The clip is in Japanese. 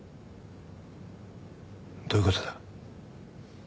どういうことだ？